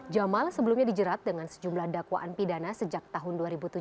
jamal sebelumnya dijerat dengan sejumlah dakwaan pidana sejak tahun dua ribu tujuh